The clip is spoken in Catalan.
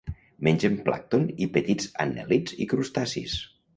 Mengen plàncton i petits anèl·lids i crustacis.